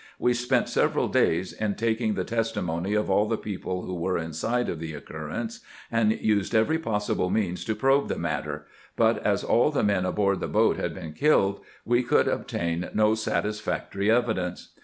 We spent several days in taking the testimony of all the people who were in sight of the occurrence, and used every possible means to probe the matter ; but as all the men aboard the boat had been killed, we could obtain no satisfactory evidence.